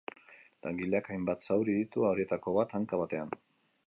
Langileak hainbat zauri ditu, horietako bat hanka batean.